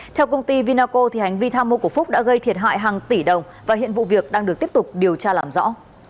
theo công ty vinaco hành vi tham mô của phúc đã gây thiệt hại hàng tỷ đồng và hiện vụ việc đang được tiếp tục điều tra làm rõ